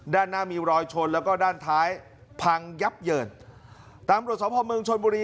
ด้านหน้ามีรอยชนแล้วก็ด้านท้ายพังยับเยินตำรวจสภาพเมืองชนบุรี